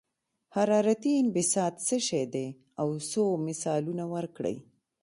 حرارتي انبساط څه شی دی او څو مثالونه ورکړئ.